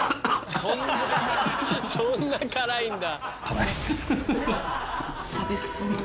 そんなからいんだ。